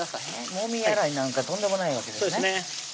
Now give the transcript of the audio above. もみ洗いなんかとんでもないわけですね